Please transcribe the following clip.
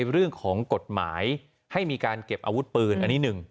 เรื่องของกฎหมายให้มีการเก็บอาวุธปืนอันนี้หนึ่ง